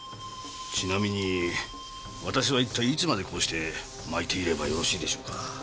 ちなみに私はいつまで巻いていればよろしいでしょうか？